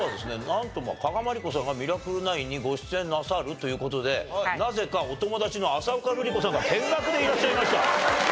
なんと加賀まりこさんが『ミラクル９』にご出演なさるという事でなぜかお友達の浅丘ルリ子さんが見学でいらっしゃいました。